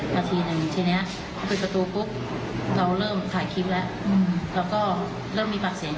มันชิ้นละ๖ทีนึงค่ะแต่ก็ไม่มีเฟรย์